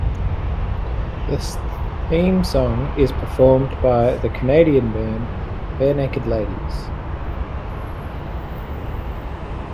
The theme song is performed by the Canadian band, Barenaked Ladies.